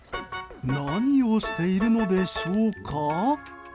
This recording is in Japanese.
何をしているのでしょうか？